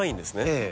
ええ。